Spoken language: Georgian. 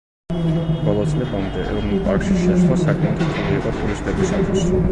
ბოლო წლებამდე, ეროვნულ პარკში შესვლა საკმაოდ რთული იყო ტურისტებისათვის.